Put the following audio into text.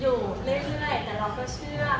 อยู่เรื่อยแต่เราก็เชื่อ